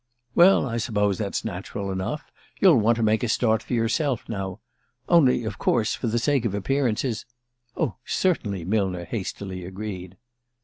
"Well, I suppose that's natural enough. You'll want to make a start for yourself now. Only, of course, for the sake of appearances " "Oh, certainly," Millner hastily agreed.